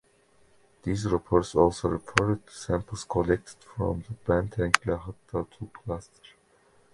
These reports also referred to samples collected from the Benteng Lahad Datu cluster.